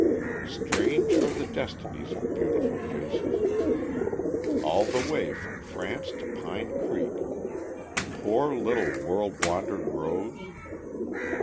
Strange are the destinies of beautiful faces. All the way from France to Pine Creek! Poor little world wandered rose!